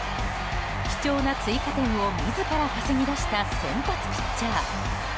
貴重な追加点を自ら稼ぎ出した先発ピッチャー。